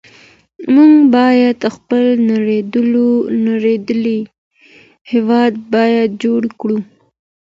موږ بايد خپل نړېدلی هېواد بيا جوړ کړو.